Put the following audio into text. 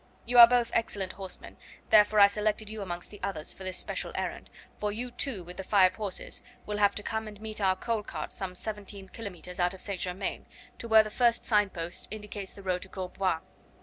You are both excellent horse men, therefore I selected you amongst the others for this special errand, for you two, with the five horses, will have to come and meet our coal cart some seventeen kilometres out of St. Germain, to where the first sign post indicates the road to Courbevoie.